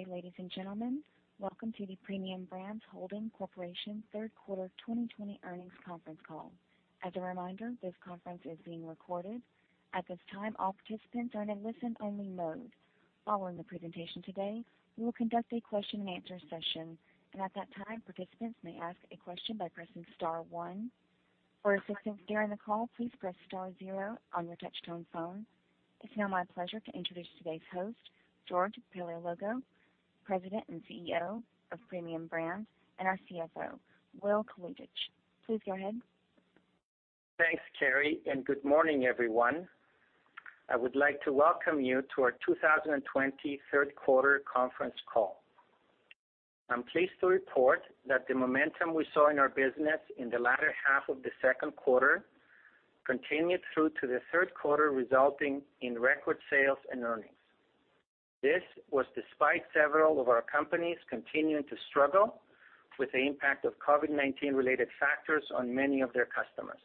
Good day, ladies and gentlemen. Welcome to the Premium Brands Holdings Corporation third quarter 2020 earnings conference call. As a reminder, this conference is being recorded. At this time, all participants are in listen-only mode. Following the presentation today, we will conduct a question and answer session, and at that time, participants may ask a question by pressing star one. For assistance during the call, please press star zero on your touch-tone phone. It's now my pleasure to introduce today's host, George Paleologou, President and CEO of Premium Brands, and our CFO, Will Kalutycz. Please go ahead. Thanks, Carrie. Good morning, everyone. I would like to welcome you to our 2020 third quarter conference call. I'm pleased to report that the momentum we saw in our business in the latter half of the second quarter continued through to the third quarter, resulting in record sales and earnings. This was despite several of our companies continuing to struggle with the impact of COVID-19 related factors on many of their customers.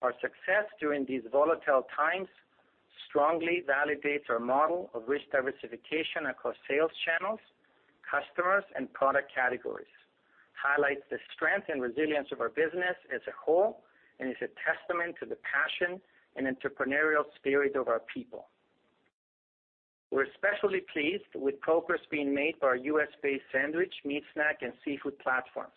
Our success during these volatile times strongly validates our model of risk diversification across sales channels, customers, and product categories, highlights the strength and resilience of our business as a whole, and is a testament to the passion and entrepreneurial spirit of our people. We're especially pleased with progress being made by our U.S.-based sandwich, meat snack, and seafood platforms.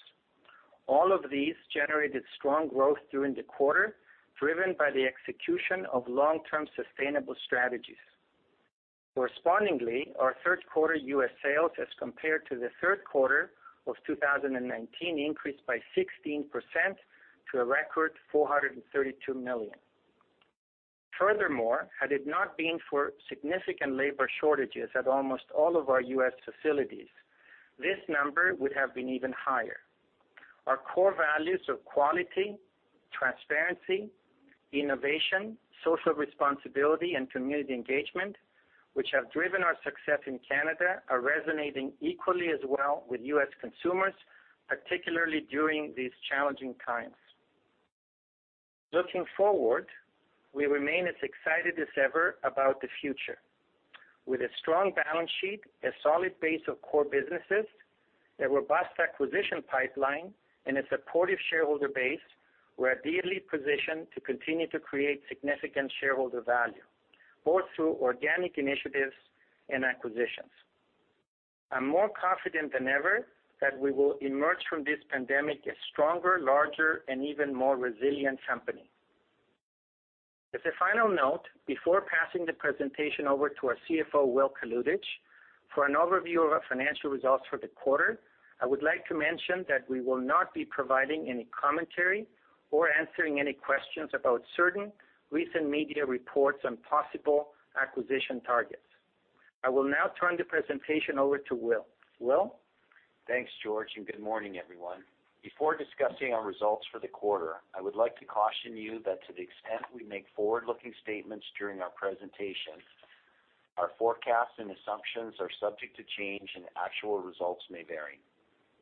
All of these generated strong growth during the quarter, driven by the execution of long-term sustainable strategies. Our third quarter U.S. sales as compared to the third quarter of 2019 increased by 16% to a record $432 million. Had it not been for significant labor shortages at almost all of our U.S. facilities, this number would have been even higher. Our core values of quality, transparency, innovation, social responsibility, and community engagement, which have driven our success in Canada, are resonating equally as well with U.S. consumers, particularly during these challenging times. Looking forward, we remain as excited as ever about the future. With a strong balance sheet, a solid base of core businesses, a robust acquisition pipeline, and a supportive shareholder base, we're ideally positioned to continue to create significant shareholder value, both through organic initiatives and acquisitions. I'm more confident than ever that we will emerge from this pandemic a stronger, larger, and even more resilient company. As a final note, before passing the presentation over to our CFO, Will Kalutycz, for an overview of our financial results for the quarter, I would like to mention that we will not be providing any commentary or answering any questions about certain recent media reports on possible acquisition targets. I will now turn the presentation over to Will. Will? Thanks, George. Good morning, everyone. Before discussing our results for the quarter, I would like to caution you that to the extent we make forward-looking statements during our presentation, our forecasts and assumptions are subject to change and actual results may vary.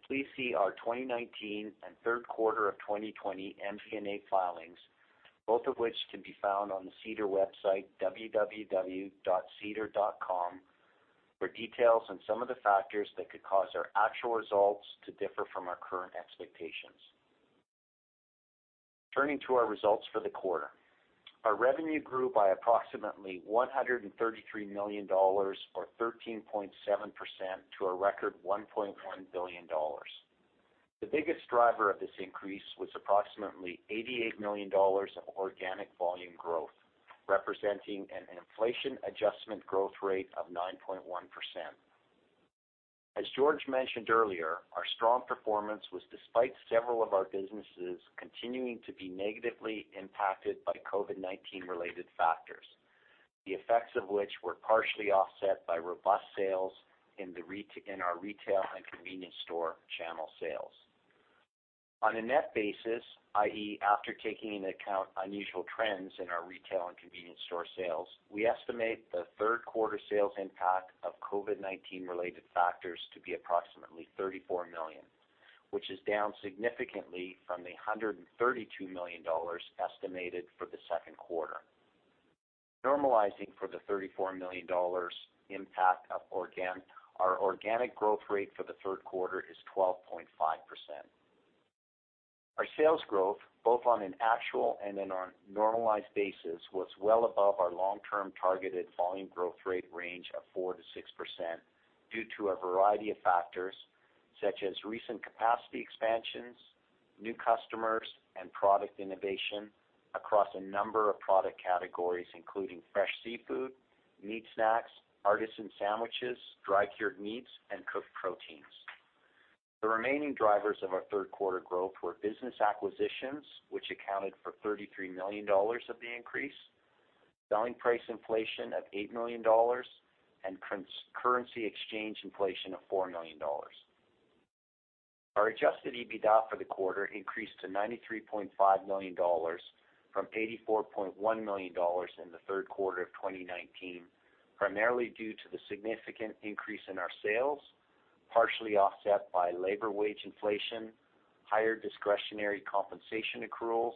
Please see our 2019 and third quarter of 2020 MD&A filings, both of which can be found on the SEDAR website, www.sedar.com, for details on some of the factors that could cause our actual results to differ from our current expectations. Turning to our results for the quarter. Our revenue grew by approximately 133 million dollars, or 13.7%, to a record 1.1 billion dollars. The biggest driver of this increase was approximately 88 million dollars of organic volume growth, representing an inflation adjustment growth rate of 9.1%. As George mentioned earlier, our strong performance was despite several of our businesses continuing to be negatively impacted by COVID-19 related factors, the effects of which were partially offset by robust sales in our retail and convenience store channel sales. On a net basis, i.e., after taking into account unusual trends in our retail and convenience store sales, we estimate the third quarter sales impact of COVID-19 related factors to be approximately 34 million, which is down significantly from the 132 million dollars estimated for the second quarter. Normalizing for the 34 million dollars, our organic growth rate for the third quarter is 12.5%. Our sales growth, both on an actual and on a normalized basis, was well above our long-term targeted volume growth rate range of 4% to 6% due to a variety of factors such as recent capacity expansions, new customers, and product innovation across a number of product categories, including fresh seafood, meat snacks, artisan sandwiches, dry cured meats, and cooked proteins. The remaining drivers of our third quarter growth were business acquisitions, which accounted for 33 million dollars of the increase, selling price inflation of 8 million dollars, and currency exchange inflation of 4 million dollars. Our adjusted EBITDA for the quarter increased to 93.5 million dollars from 84.1 million dollars in the third quarter of 2019, primarily due to the significant increase in our sales, partially offset by labor wage inflation, higher discretionary compensation accruals,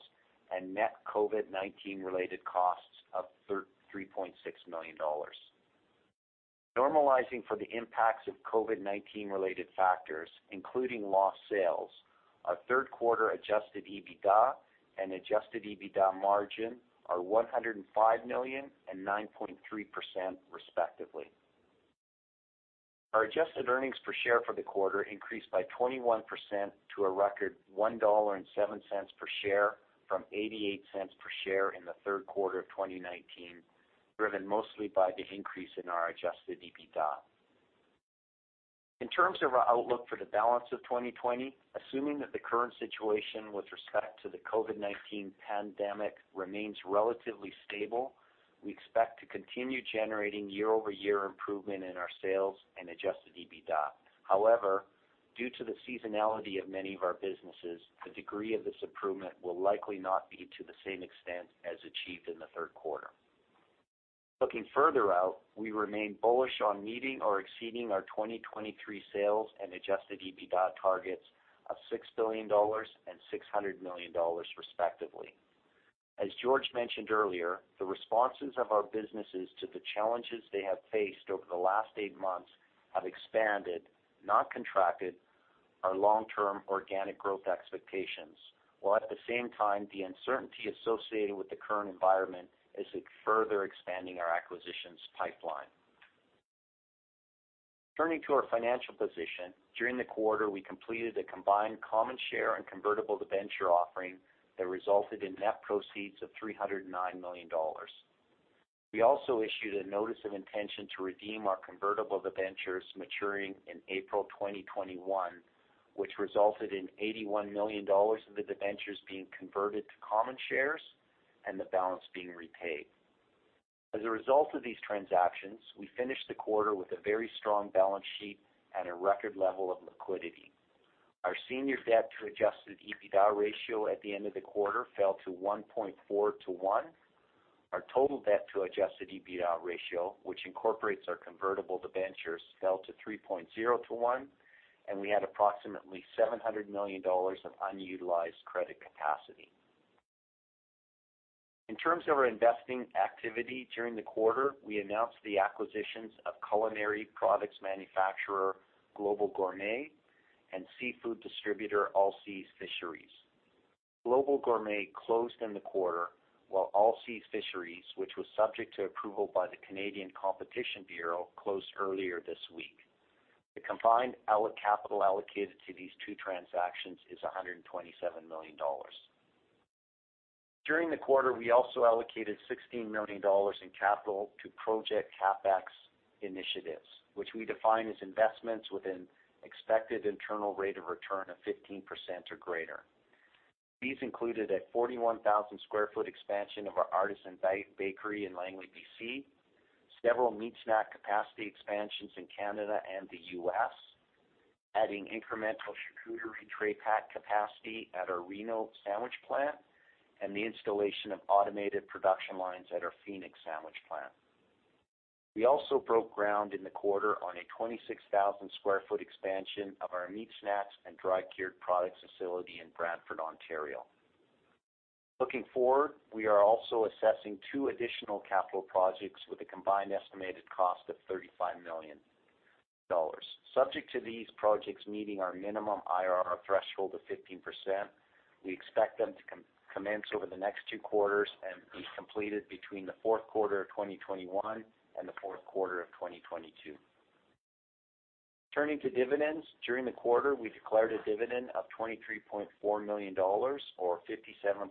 and net COVID-19 related costs of 3.6 million dollars. Normalizing for the impacts of COVID-19 related factors, including lost sales, our Q3 adjusted EBITDA and adjusted EBITDA margin are 105 million and 9.3%, respectively. Our adjusted earnings per share for the quarter increased by 21% to a record 1.07 dollar per share from 0.88 per share in Q3 2019, driven mostly by the increase in our adjusted EBITDA. In terms of our outlook for the balance of 2020, assuming that the current situation with respect to the COVID-19 pandemic remains relatively stable, we expect to continue generating year-over-year improvement in our sales and adjusted EBITDA. However, due to the seasonality of many of our businesses, the degree of this improvement will likely not be to the same extent as achieved in Q3. Looking further out, we remain bullish on meeting or exceeding our 2023 sales and adjusted EBITDA targets of 6 billion dollars and 600 million dollars respectively. As George mentioned earlier, the responses of our businesses to the challenges they have faced over the last eight months have expanded, not contracted, our long-term organic growth expectations, while at the same time, the uncertainty associated with the current environment is further expanding our acquisitions pipeline. Turning to our financial position, during the quarter, we completed a combined common share and convertible debenture offering that resulted in net proceeds of 309 million dollars. We also issued a notice of intention to redeem our convertible debentures maturing in April 2021, which resulted in 81 million dollars of the debentures being converted to common shares and the balance being repaid. As a result of these transactions, we finished the quarter with a very strong balance sheet and a record level of liquidity. Our senior debt to adjusted EBITDA ratio at the end of the quarter fell to 1.4:1. Our total debt to adjusted EBITDA ratio, which incorporates our convertible debentures, fell to 3.0:1. We had approximately 700 million dollars of unutilized credit capacity. In terms of our investing activity during the quarter, we announced the acquisitions of culinary products manufacturer, Global Gourmet, and seafood distributor, Allseas Fisheries. Global Gourmet closed in the quarter, while Allseas Fisheries, which was subject to approval by the Canadian Competition Bureau, closed earlier this week. The combined capital allocated to these two transactions is 127 million dollars. During the quarter, we also allocated 16 million dollars in capital to project CapEx initiatives, which we define as investments within expected internal rate of return of 15% or greater. These included a 41,000 sq ft expansion of our artisan bakery in Langley, BC, several meat snack capacity expansions in Canada and the U.S., adding incremental charcuterie tray pack capacity at our Reno sandwich plant, and the installation of automated production lines at our Phoenix sandwich plant. We also broke ground in the quarter on a 26,000 sq ft expansion of our meat snacks and dry cured products facility in Brantford, Ontario. Looking forward, we are also assessing two additional capital projects with a combined estimated cost of 35 million dollars. Subject to these projects meeting our minimum IRR threshold of 15%, we expect them to commence over the next two quarters and be completed between the fourth quarter of 2021 and the fourth quarter of 2022. Turning to dividends, during the quarter, we declared a dividend of 23.4 million dollars, or 0.5775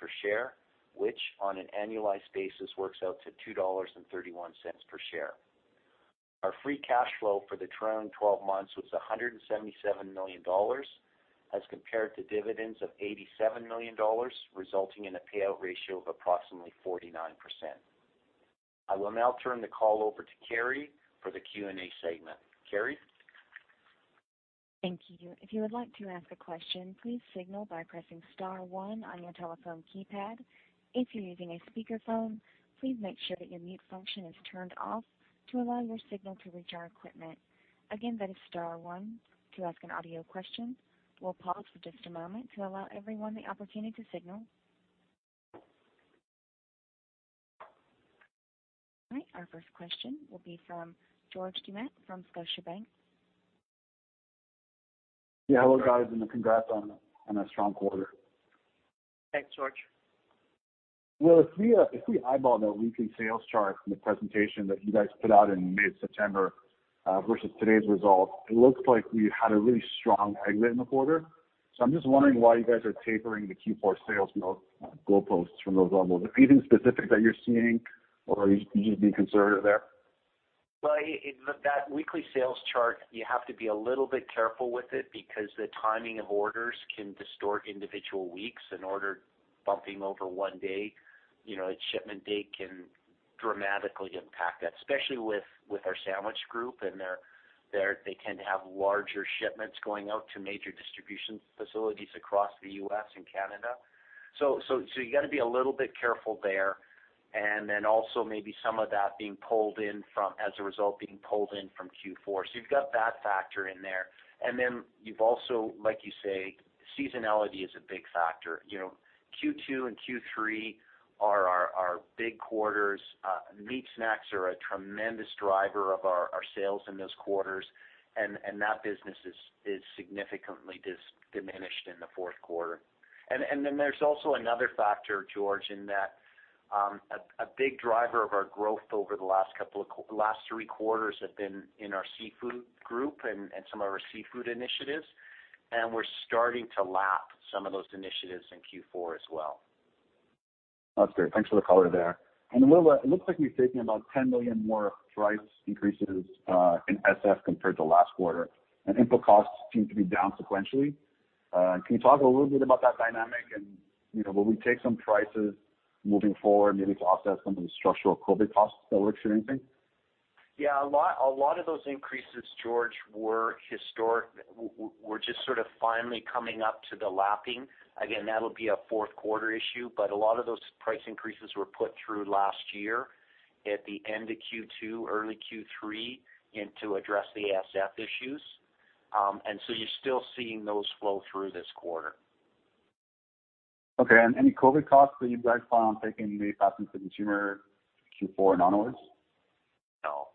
per share, which on an annualized basis works out to 2.31 dollars per share. Our free cash flow for the trailing 12 months was 177 million dollars as compared to dividends of 87 million dollars, resulting in a payout ratio of approximately 49%. I will now turn the call over to Carrie for the Q&A segment. Carrie? Thank you. If you would like to ask a question, please signal by pressing star one on your telephone keypad. If you're using a speakerphone, please make sure that your mute function is turned off to allow your signal to reach our equipment. Again, that is star one to ask an audio question. We'll pause for just a moment to allow everyone the opportunity to signal. All right, our first question will be from George Doumet from Scotiabank. Yeah. Hello, guys, and congrats on a strong quarter. Thanks, George. Well, if we eyeball the weekly sales chart from the presentation that you guys put out in mid-September versus today's results, it looks like we had a really strong exit in the quarter. I'm just wondering why you guys are tapering the Q4 sales goalposts from those levels. Is there anything specific that you're seeing or are you just being conservative there? Well, that weekly sales chart, you have to be a little bit careful with it because the timing of orders can distort individual weeks. An order bumping over one day, its shipment date can dramatically impact that, especially with our sandwich group and they tend to have larger shipments going out to major distribution facilities across the U.S. and Canada. You got to be a little bit careful there. And also maybe some of that, as a result, being pulled in from Q4. You've got that factor in there. You've also, like you say, seasonality is a big factor. Q2 and Q3 are our big quarters. Meat snacks are a tremendous driver of our sales in those quarters, and that business is significantly diminished in the fourth quarter. There's also another factor, George, in that a big driver of our growth over the last three quarters have been in our seafood group and some of our seafood initiatives, and we're starting to lap some of those initiatives in Q4 as well. That's great. Thanks for the color there. It looks like you've taken about 10 million more price increases in Specialty Foods compared to last quarter, and input costs seem to be down sequentially. Can you talk a little bit about that dynamic and will we take some prices moving forward, maybe to offset some of the structural COVID-19 costs forward or anything? Yeah. A lot of those increases, George, were just sort of finally coming up to the lapping. Again, that'll be a fourth quarter issue, but a lot of those price increases were put through last year at the end of Q2, early Q3, and to address the ASF issues. You're still seeing those flow through this quarter. Okay, any COVID costs that you guys plan on taking maybe passing to consumer Q4 and onwards? No.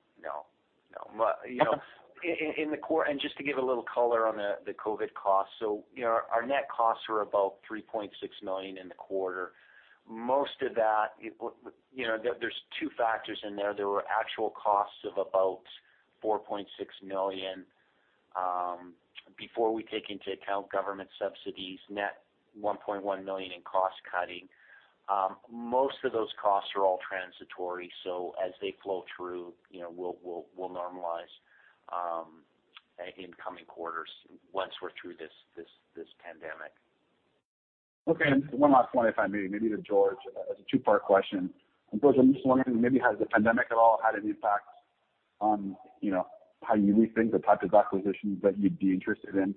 Just to give a little color on the COVID cost. Our net costs were about 3.6 million in the quarter. Most of that, there's two factors in there. There were actual costs of about 4.6 million, before we take into account government subsidies, net 1.1 million in cost cutting. Most of those costs are all transitory, so as they flow through, we'll normalize in coming quarters once we're through this pandemic. Okay, just one last one, if I may, maybe to George Paleologou. It's a two-part question. George Paleologou, I'm just wondering, maybe has the pandemic at all had an impact on how you rethink the type of acquisitions that you'd be interested in?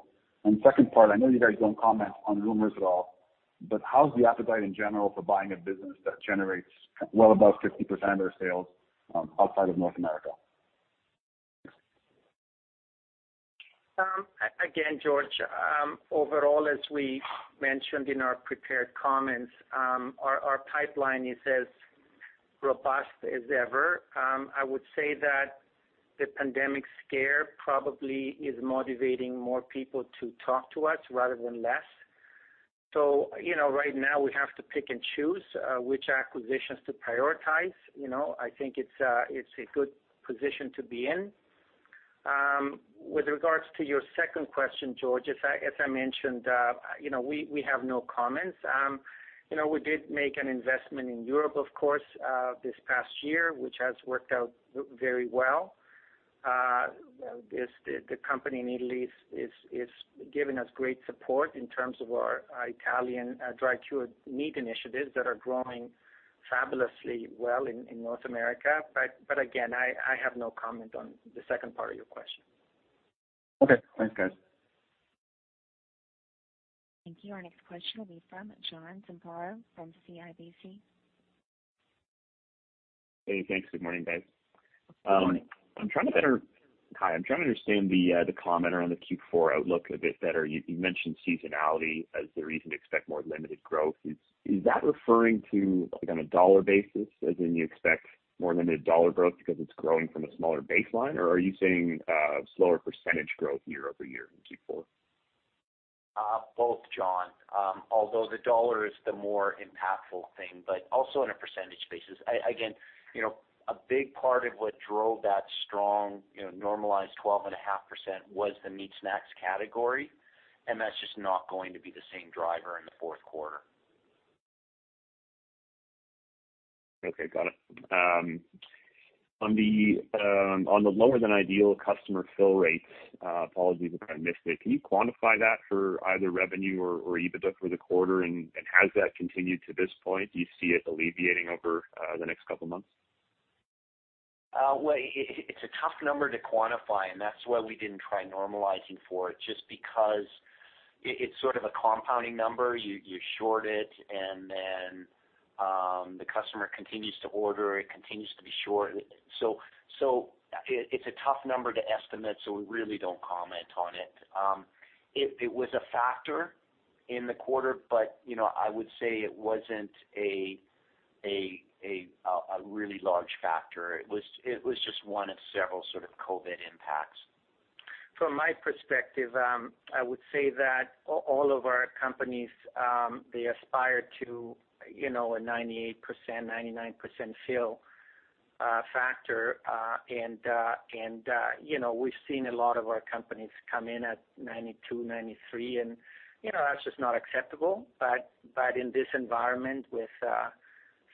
Second part, I know you guys don't comment on rumors at all, but how's the appetite in general for buying a business that generates well above 50% of their sales outside of North America? Again, George, overall, as we mentioned in our prepared comments, our pipeline is as robust as ever. I would say that the pandemic scare probably is motivating more people to talk to us rather than less. Right now we have to pick and choose which acquisitions to prioritize. I think it's a good position to be in. With regards to your second question, George, as I mentioned, we have no comments. We did make an investment in Europe, of course, this past year, which has worked out very well. The company in Italy is giving us great support in terms of our Italian dry cured meat initiatives that are growing fabulously well in North America. Again, I have no comment on the second part of your question. Okay. Thanks, guys. Thank you. Our next question will be from John Zamparo from CIBC. Hey, thanks. Good morning, guys. Good morning. Hi, I'm trying to understand the comment around the Q4 outlook a bit better. You mentioned seasonality as the reason to expect more limited growth. Is that referring to, like, on a dollar basis, as in you expect more limited dollar growth because it's growing from a smaller baseline? Or are you saying slower percentage growth year-over-year in Q4? Both, John. The dollar is the more impactful thing, but also on a percentage basis. Again, a big part of what drove that strong normalized 12.5% was the meat snacks category, and that's just not going to be the same driver in the fourth quarter. Okay, got it. On the lower than ideal customer fill rates, apologies if I missed it, can you quantify that for either revenue or EBITDA for the quarter? Has that continued to this point? Do you see it alleviating over the next couple of months? Well, it's a tough number to quantify. That's why we didn't try normalizing for it, just because it's sort of a compounding number. You short it. Then the customer continues to order, it continues to be short. It's a tough number to estimate, so we really don't comment on it. It was a factor in the quarter. I would say it wasn't a really large factor. It was just one of several sort of COVID impacts. From my perspective, I would say that all of our companies, they aspire to a 98%, 99% fill factor. We've seen a lot of our companies come in at 92, 93, and that's just not acceptable. In this environment with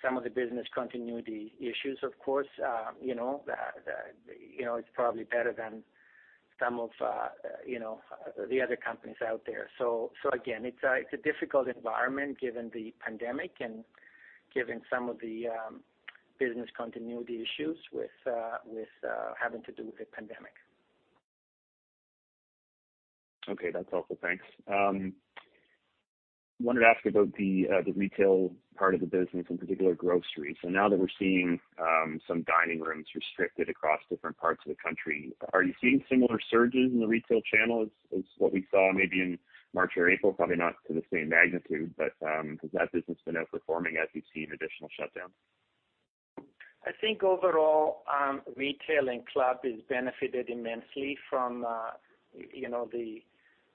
some of the business continuity issues, of course, it's probably better than some of the other companies out there. Again, it's a difficult environment given the pandemic and given some of the business continuity issues having to do with the pandemic. Okay, that's helpful. Thanks. Wanted to ask about the retail part of the business, in particular, grocery. Now that we're seeing some dining rooms restricted across different parts of the country, are you seeing similar surges in the retail channel as what we saw maybe in March or April? Probably not to the same magnitude, has that business been outperforming as we've seen additional shutdowns? I think overall, retail and club has benefited immensely from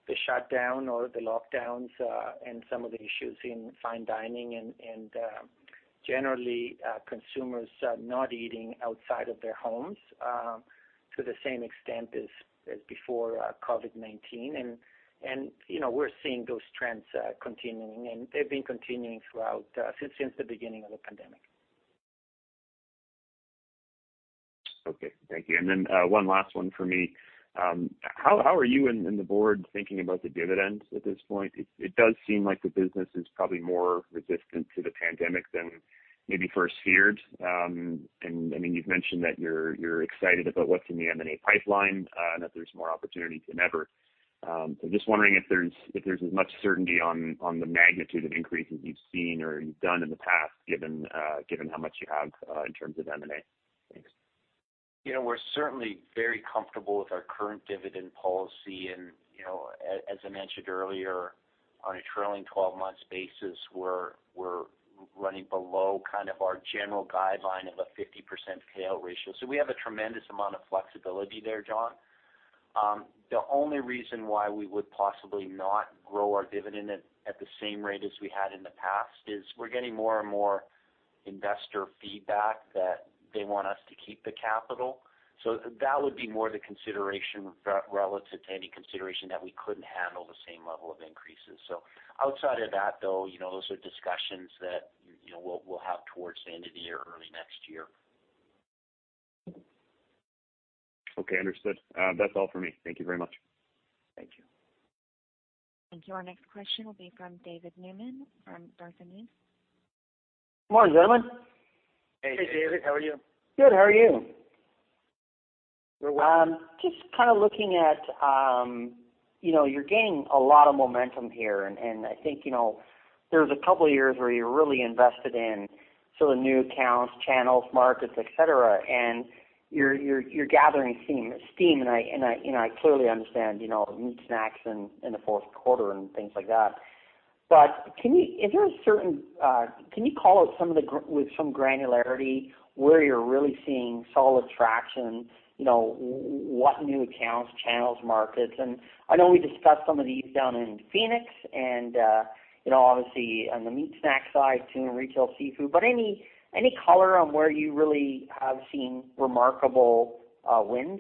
the shutdown or the lockdowns, and some of the issues in fine dining and generally, consumers not eating outside of their homes to the same extent as before COVID-19. We're seeing those trends continuing, and they've been continuing throughout since the beginning of the pandemic. Okay, thank you. One last one for me. How are you and the board thinking about the dividends at this point? It does seem like the business is probably more resistant to the pandemic than maybe first feared. You've mentioned that you're excited about what's in the M&A pipeline and that there's more opportunity than ever. Just wondering if there's as much certainty on the magnitude of increases you've seen or you've done in the past, given how much you have in terms of M&A. Thanks. We're certainly very comfortable with our current dividend policy and, as I mentioned earlier, on a trailing 12 months basis, we're running below kind of our general guideline of a 50% payout ratio. We have a tremendous amount of flexibility there, John. The only reason why we would possibly not grow our dividend at the same rate as we had in the past is we're getting more and more investor feedback that they want us to keep the capital. That would be more the consideration relative to any consideration that we couldn't handle the same level of increases. Outside of that, though, those are discussions that we'll have towards the end of the year, early next year. Okay, understood. That's all for me. Thank you very much. Thank you. Thank you. Our next question will be from David Newman from Desjardins. Morning, gentlemen. Hey, David. How are you? Good. How are you? We're well. Just kind of looking at, you're gaining a lot of momentum here, and I think, there was a couple of years where you're really invested in sort of new accounts, channels, markets, et cetera, and you're gathering steam. I clearly understand meat snacks in the fourth quarter and things like that. Can you call out with some granularity where you're really seeing solid traction? What new accounts, channels, markets, and I know we discussed some of these down in Phoenix and, obviously, on the meat snack side too, retail seafood, any color on where you really have seen remarkable wins?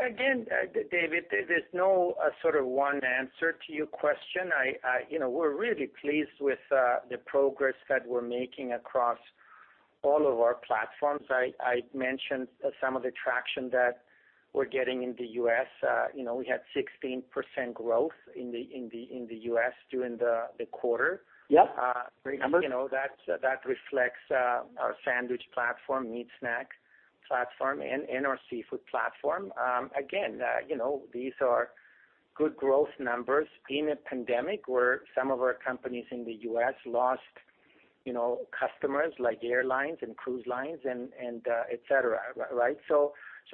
Again, David, there's no sort of one answer to your question. We're really pleased with the progress that we're making across all of our platforms. I mentioned some of the traction that we're getting in the U.S. We had 16% growth in the U.S. during the quarter. Yep. Great number. That reflects our sandwich platform, meat snack platform, and our seafood platform. Again, these are good growth numbers in a pandemic where some of our companies in the U.S. lost customers like airlines and cruise lines and et cetera, right?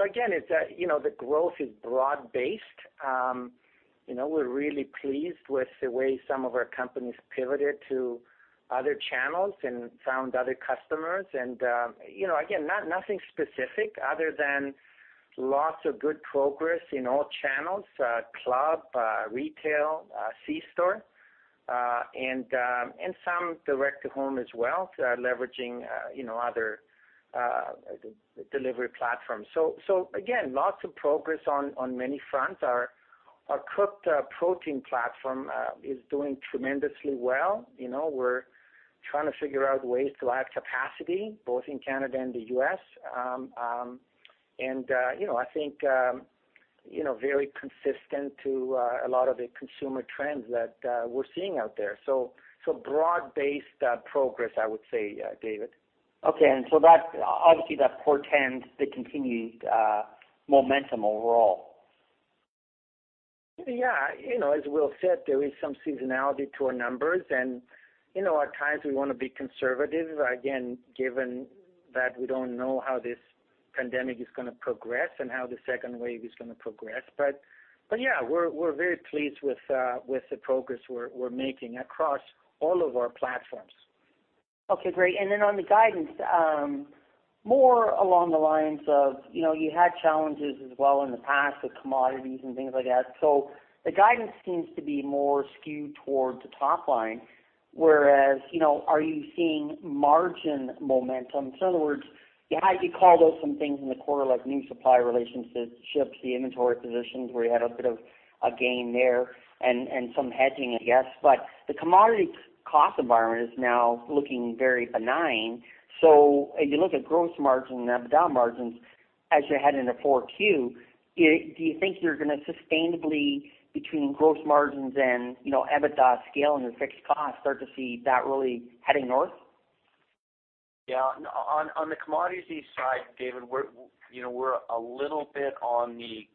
Again, the growth is broad-based. We're really pleased with the way some of our companies pivoted to other channels and found other customers and, again, nothing specific other than lots of good progress in all channels, club, retail, C-store, and some direct to home as well, leveraging other delivery platforms. Again, lots of progress on many fronts. Our cooked protein platform is doing tremendously well. We're trying to figure out ways to add capacity both in Canada and the U.S. I think very consistent to a lot of the consumer trends that we're seeing out there. Broad-based progress, I would say, David. Okay, obviously that portends the continued momentum overall. As Will said, there is some seasonality to our numbers, and at times we want to be conservative, again, given that we don't know how this pandemic is going to progress and how the second wave is going to progress. We're very pleased with the progress we're making across all of our platforms. Okay, great. On the guidance, more along the lines of, you had challenges as well in the past with commodities and things like that. The guidance seems to be more skewed towards the top line, whereas, are you seeing margin momentum? In other words, yeah, you called out some things in the quarter like new supply relationships, the inventory positions where you had a bit of a gain there and some hedging, I guess, but the commodity cost environment is now looking very benign. If you look at gross margin and EBITDA margins as you head into 4Q, do you think you're gonna sustainably, between gross margins and EBITDA scale and your fixed costs, start to see that really heading north? Yeah. On the commodities side, David, we're a little bit on the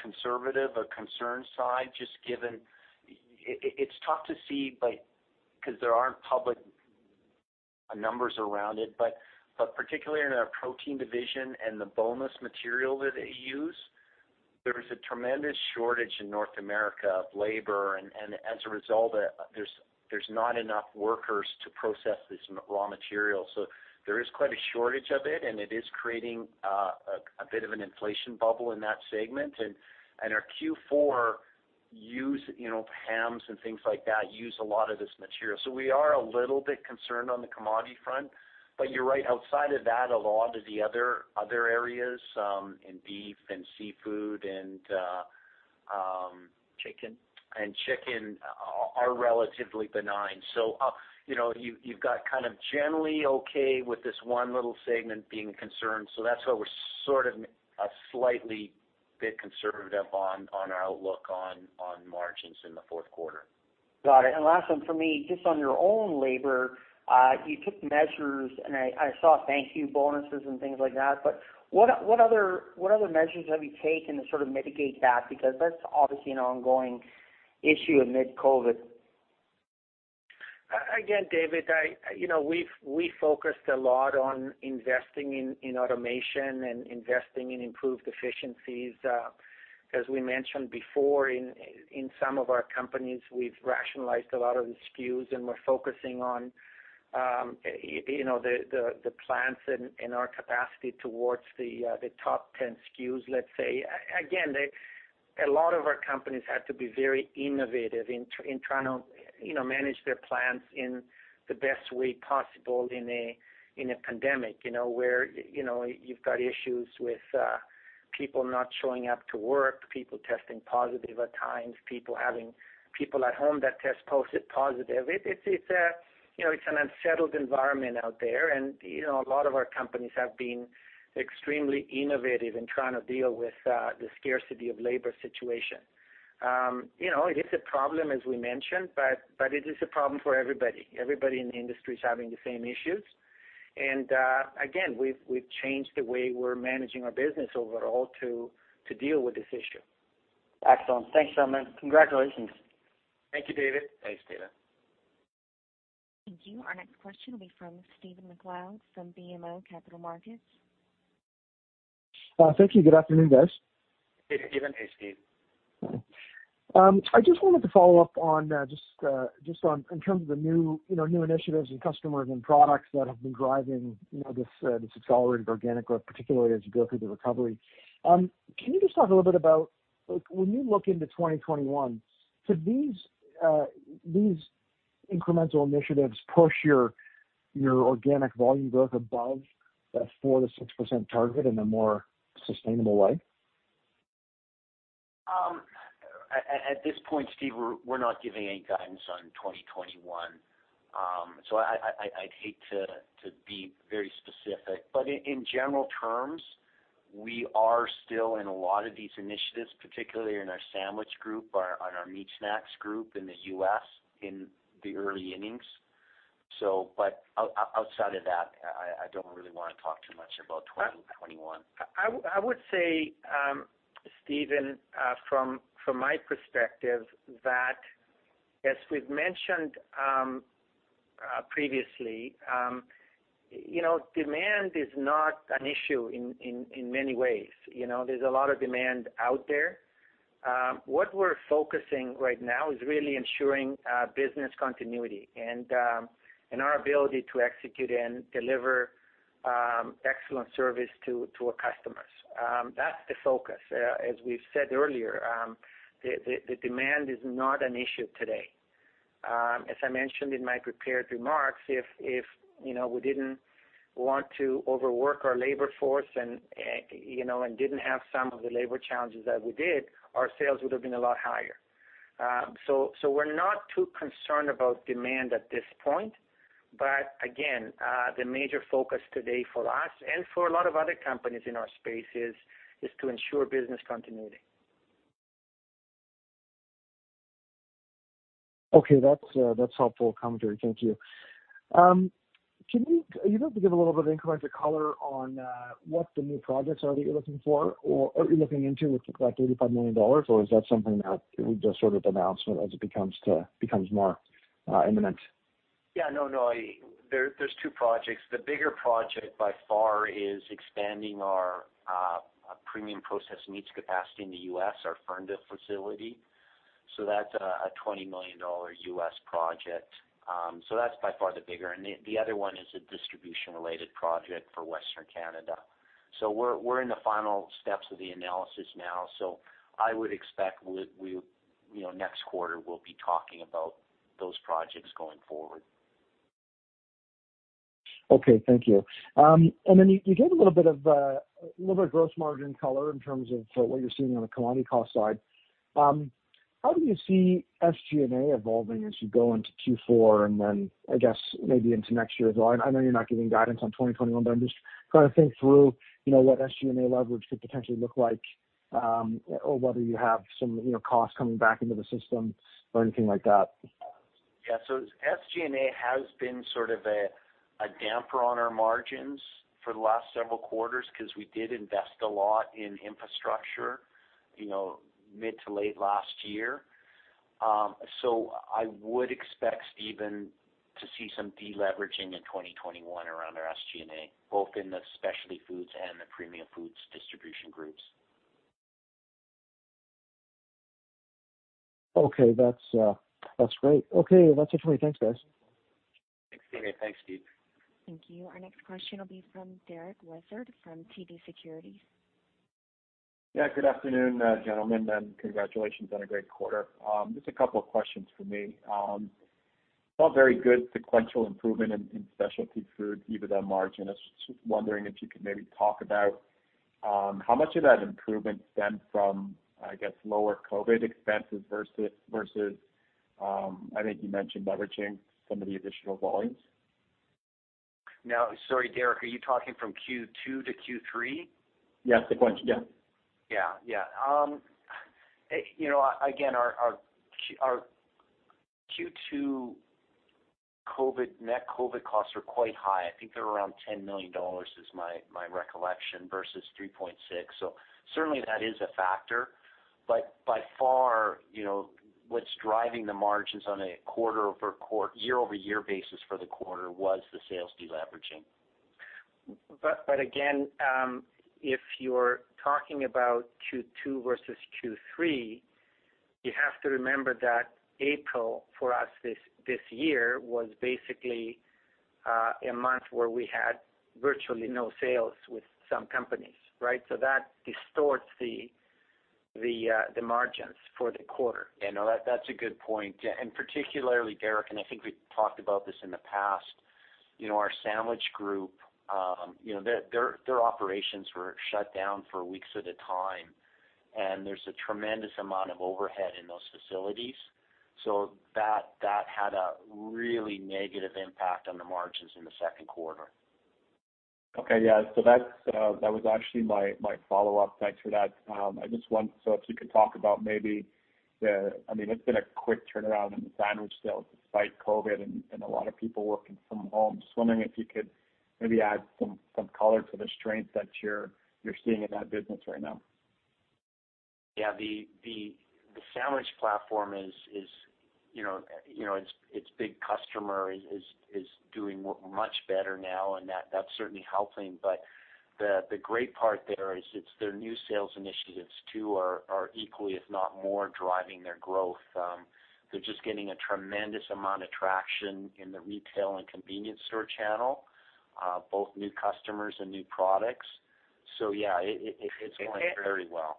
conservative or concerned side, just given It's tough to see because there aren't public numbers around it. Particularly in our protein division and the boneless material that they use, there is a tremendous shortage in North America of labor, and as a result, there's not enough workers to process this raw material. There is quite a shortage of it, and it is creating a bit of an inflation bubble in that segment. Our Q4 hams and things like that use a lot of this material. We are a little bit concerned on the commodity front. You're right, outside of that, a lot of the other areas in beef and seafood. Chicken Chicken are relatively benign. You've got kind of generally okay with this one little segment being concerned. That's why we're sort of slightly a bit conservative on our outlook on margins in the fourth quarter. Got it. Last one from me, just on your own labor, you took measures, and I saw thank you bonuses and things like that, but what other measures have you taken to sort of mitigate that? Because that's obviously an ongoing issue amid COVID. David, we focused a lot on investing in automation and investing in improved efficiencies. As we mentioned before, in some of our companies, we've rationalized a lot of the SKUs, and we're focusing on the plants and our capacity towards the top 10 SKUs, let's say. A lot of our companies had to be very innovative in trying to manage their plants in the best way possible in a pandemic, where you've got issues with people not showing up to work, people testing positive at times, people having people at home that test positive. It's an unsettled environment out there, and a lot of our companies have been extremely innovative in trying to deal with the scarcity of labor situation. It is a problem, as we mentioned, but it is a problem for everybody. Everybody in the industry is having the same issues. Again, we've changed the way we're managing our business overall to deal with this issue. Excellent. Thanks so much. Congratulations. Thank you, David. Thanks, David. Thank you. Our next question will be from Stephen MacLeod from BMO Capital Markets. Thank you. Good afternoon, guys. Hey, Stephen. Hey, Steve. I just wanted to follow up on just in terms of the new initiatives and customers and products that have been driving this accelerated organic growth, particularly as you go through the recovery. Can you just talk a little bit about, when you look into 2021, could these incremental initiatives push your organic volume growth above the 4% to 6% target in a more sustainable way? At this point, Steve, we're not giving any guidance on 2021. I'd hate to be very specific, but in general terms, we are still in a lot of these initiatives, particularly in our sandwich group, on our meat snacks group in the U.S., in the early innings. Outside of that, I don't really want to talk too much about 2021. I would say, Stephen, from my perspective, that as we've mentioned previously, demand is not an issue in many ways. There's a lot of demand out there. What we're focusing right now is really ensuring business continuity and our ability to execute and deliver excellent service to our customers. That's the focus. As we've said earlier, the demand is not an issue today. As I mentioned in my prepared remarks, if we didn't want to overwork our labor force and didn't have some of the labor challenges that we did, our sales would have been a lot higher. We're not too concerned about demand at this point. Again, the major focus today for us and for a lot of other companies in our space is to ensure business continuity. Okay. That's helpful commentary. Thank you. Are you able to give a little bit of incremental color on what the new projects are that you're looking for or are you looking into with the 35 million dollars, or is that something that we just sort of announce as it becomes more imminent? Yeah, no, there's two projects. The bigger project by far is expanding our premium processed meats capacity in the U.S., our Ferndale facility. That's a $20 million U.S. project. That's by far the bigger. The other one is a distribution-related project for Western Canada. We're in the final steps of the analysis now. I would expect next quarter we'll be talking about those projects going forward. Okay. Thank you. You gave a little bit of gross margin color in terms of what you're seeing on the commodity cost side. How do you see SG&A evolving as you go into Q4 and then I guess maybe into next year as well? I know you're not giving guidance on 2021, but I'm just trying to think through what SG&A leverage could potentially look like or whether you have some costs coming back into the system or anything like that. Yeah. SG&A has been sort of a damper on our margins for the last several quarters because we did invest a lot in infrastructure mid to late last year. I would expect, Stephen, to see some leveraging in 2021 around our SG&A, both in the Specialty Foods and the Premium Food Distribution groups. Okay. That's great. Okay, that's it for me. Thanks, guys. Thanks, Stephen. Thanks, Steve. Thank you. Our next question will be from Derek Lessard from TD Securities. Good afternoon, gentlemen, and congratulations on a great quarter. Just a couple of questions for me. Saw very good sequential improvement in Specialty Foods, EBITDA margin. I was just wondering if you could maybe talk about how much of that improvement stemmed from, I guess, lower COVID-19 expenses versus, I think you mentioned leveraging some of the additional volumes. Sorry, Derek, are you talking from Q2 to Q3? Yeah, sequential. Yeah. Again, our Q2 net COVID costs are quite high. I think they're around 10 million dollars, is my recollection, versus 3.6. Certainly that is a factor. By far, what's driving the margins on a year-over-year basis for the quarter was the sales leveraging. Again, if you're talking about Q2 versus Q3, you have to remember that April for us this year was basically a month where we had virtually no sales with some companies, right? That distorts the margins for the quarter. Yeah, no, that's a good point. Particularly, Derek, and I think we've talked about this in the past, our sandwich group their operations were shut down for weeks at a time, and there's a tremendous amount of overhead in those facilities. That had a really negative impact on the margins in the second quarter. Okay. Yeah. That was actually my follow-up. Thanks for that. I just wonder if you could talk about maybe. It's been a quick turnaround in the sandwich sales despite COVID and a lot of people working from home. Just wondering if you could maybe add some color to the strength that you're seeing in that business right now. Yeah. The sandwich platform its big customer is doing much better now, and that's certainly helping. The great part there is it's their new sales initiatives, too, are equally, if not more, driving their growth. They're just getting a tremendous amount of traction in the retail and convenience store channel, both new customers and new products. Yeah, it's going very well.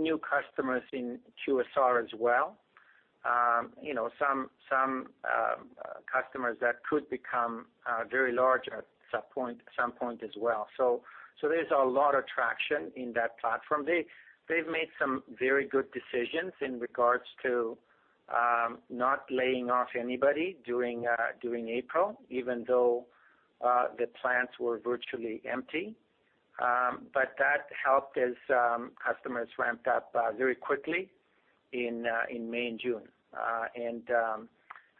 New customers in QSR as well. Some customers that could become very large at some point as well. There's a lot of traction in that platform. They've made some very good decisions in regards to not laying off anybody during April, even though the plants were virtually empty. That helped as customers ramped up very quickly in May and June.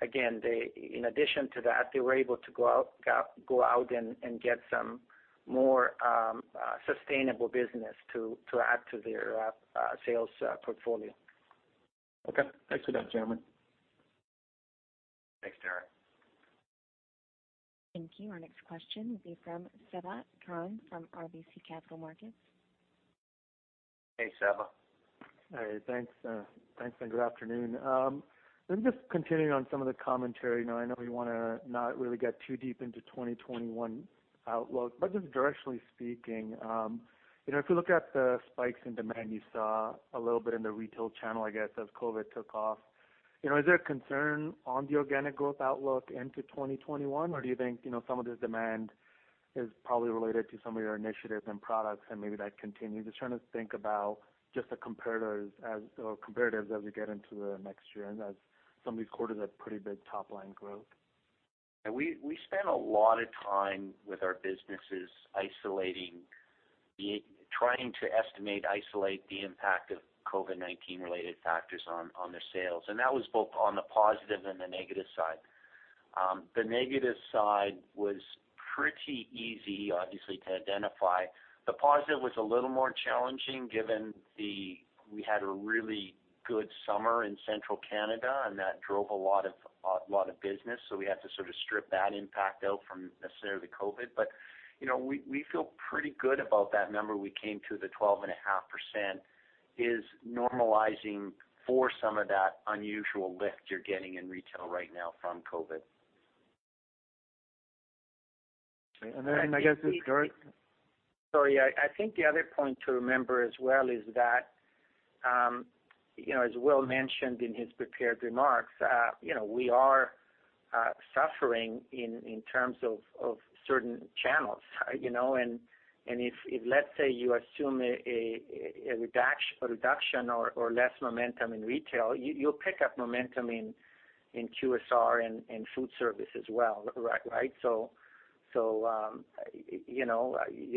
Again, in addition to that, they were able to go out and get some more sustainable business to add to their sales portfolio. Okay. Thanks for that, gentlemen. Thanks, Derek. Thank you. Our next question will be from Sabahat Khan from RBC Capital Markets. Hey, Sabahat. Thanks and good afternoon. I'm just continuing on some of the commentary. I know you want to not really get too deep into 2021 outlook, but just directionally speaking, if you look at the spikes in demand you saw a little bit in the retail channel, I guess, as COVID took off. Is there a concern on the organic growth outlook into 2021, or do you think some of this demand is probably related to some of your initiatives and products and maybe that continues? Trying to think about just the comparatives as we get into the next year and as some of these quarters have pretty big top-line growth. We spent a lot of time with our businesses isolating, isolate the impact of COVID-19 related factors on the sales, and that was both on the positive and the negative side. The negative side was pretty easy, obviously, to identify. The positive was a little more challenging given we had a really good summer in central Canada and that drove a lot of business, so we had to sort of strip that impact out from necessarily the COVID. We feel pretty good about that number we came to, the 12.5% is normalizing for some of that unusual lift you're getting in retail right now from COVID. I guess it's Derek? Sorry. I think the other point to remember as well is that as Will mentioned in his prepared remarks we are suffering in terms of certain channels. If, let's say, you assume a reduction or less momentum in retail, you'll pick up momentum in QSR and food service as well, right? You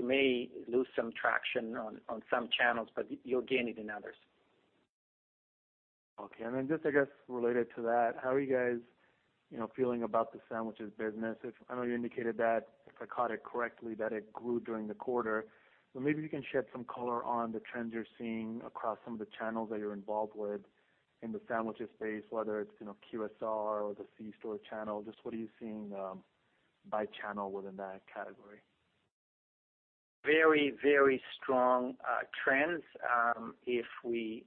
may lose some traction on some channels, but you'll gain it in others. Okay. Then just, I guess, related to that, how are you guys feeling about the sandwiches business? I know you indicated that, if I caught it correctly, that it grew during the quarter. Maybe you can shed some color on the trends you're seeing across some of the channels that you're involved with in the sandwiches space, whether it's QSR or the C-store channel. Just what are you seeing by channel within that category? Very strong trends. If we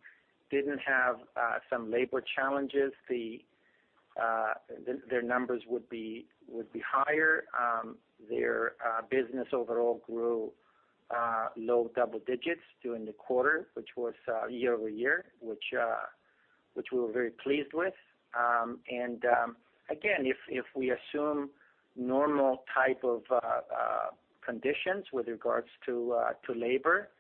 didn't have some labor challenges, their numbers would be higher. Their business overall grew low double digits during the quarter, which was year-over-year, which we were very pleased with. Again, if we assume normal type of conditions with regards to labor,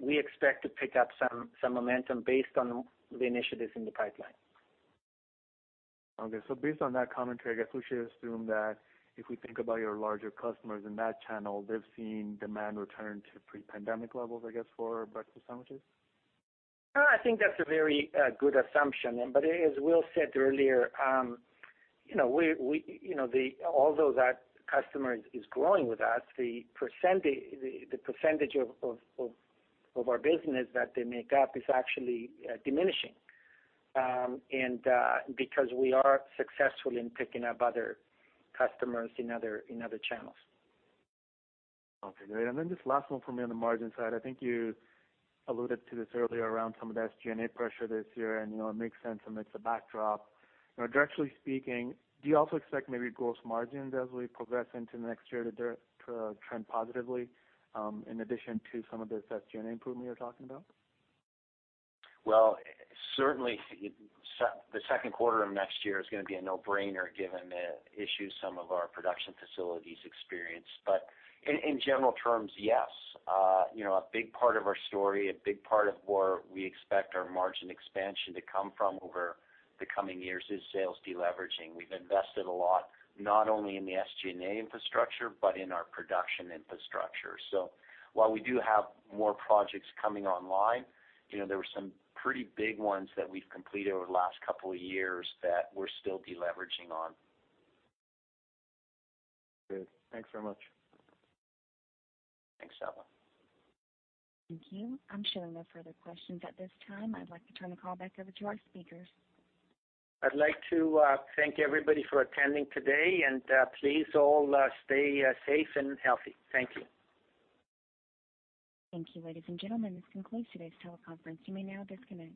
we expect to pick up some momentum based on the initiatives in the pipeline. Okay. Based on that commentary, I guess we should assume that if we think about your larger customers in that channel, they've seen demand return to pre-pandemic levels, I guess, for breakfast sandwiches? I think that's a very good assumption. As Will said earlier, although that customer is growing with us, the percentage of our business that they make up is actually diminishing, because we are successful in picking up other customers in other channels. Okay, great. Just last one from me on the margin side. I think you alluded to this earlier around some of the SG&A pressure this year, and it makes sense amidst the backdrop. Directionally speaking, do you also expect maybe gross margins as we progress into next year to trend positively, in addition to some of this SG&A improvement you're talking about? Well, certainly, the second quarter of next year is going to be a no-brainer given the issues some of our production facilities experienced. In general terms, yes. A big part of our story, a big part of where we expect our margin expansion to come from over the coming years is sales leveraging. We've invested a lot, not only in the SG&A infrastructure, but in our production infrastructure. While we do have more projects coming online, there were some pretty big ones that we've completed over the last couple of years that we're still leveraging on. Good. Thanks very much. Thanks, Sabahat. Thank you. I'm showing no further questions at this time. I'd like to turn the call back over to our speakers. I'd like to thank everybody for attending today, and please all stay safe and healthy. Thank you. Thank you, ladies and gentlemen. This concludes today's teleconference. You may now disconnect.